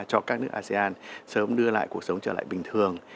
cho các nước asean sớm đưa lại cuộc sống trở lại bình thường